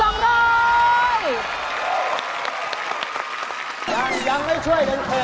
ยังไม่ช่วยดังเผลอนิดนึงมันช่วยยังไง